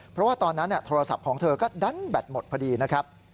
เพราะว่าตอนนั้นโทรศัพท์ของเธอก็ดันแบตหมดพอดีนะครับ